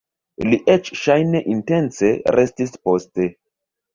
Li eĉ ŝajne intence restis poste!